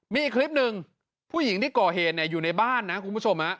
มีอีกคลิปหนึ่งผู้หญิงที่ก่อเหตุอยู่ในบ้านนะคุณผู้ชม